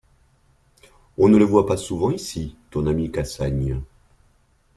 On ne le voit pas souvent ici, ton ami Cassagne.